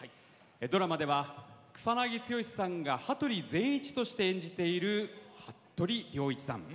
ドラマでは草なぎ剛さんが羽鳥善一として演じている服部良一さん。